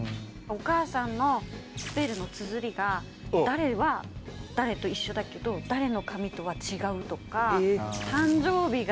お母さんのスペルのつづりが誰は誰と一緒だけど誰の紙とは違うとか。